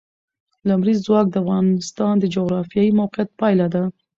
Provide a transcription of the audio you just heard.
لمریز ځواک د افغانستان د جغرافیایي موقیعت پایله ده.